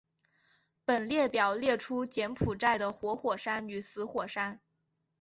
本列表列出柬埔寨的活火山与死火山。